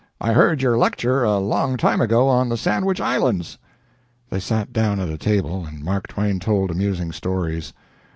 I heard you lecture a long time ago, on the Sandwich Islands." They sat down at a table, and Mark Twain told amusing stories.